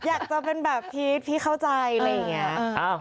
อยากจะเป็นแบบพีชพีชเข้าใจอะไรอย่างนี้